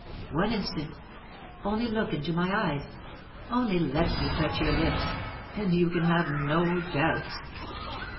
One instant — only look into my eyes — only let me touch your lips, and you can have no doubts.'